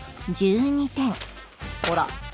ほら。